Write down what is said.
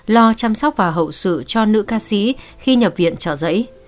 lo chăm sóc và hậu sự cho nữ ca sĩ khi nhập viện trở dậy